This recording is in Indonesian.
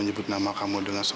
sementara tamu berestej